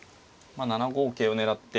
７五桂を狙って。